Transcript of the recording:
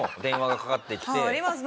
あります。